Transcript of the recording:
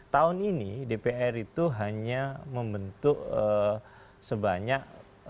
tahun ini dpr itu hanya membentuk sebanyak